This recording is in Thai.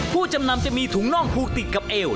ผู้จำนำจะมีถุงน่องผูกติดกับเอว